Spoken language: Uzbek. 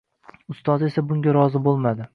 Ustozi esa bunga rozi boʻlmadi